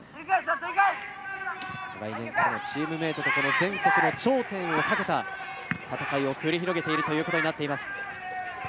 来年からはチームメートと全国の頂点をかけた戦いを繰り広げているということになっています。